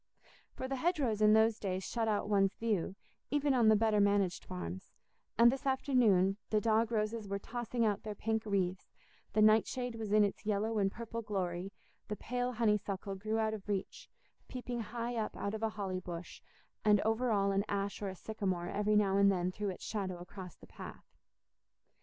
For the hedgerows in those days shut out one's view, even on the better managed farms; and this afternoon, the dog roses were tossing out their pink wreaths, the nightshade was in its yellow and purple glory, the pale honeysuckle grew out of reach, peeping high up out of a holly bush, and over all an ash or a sycamore every now and then threw its shadow across the path.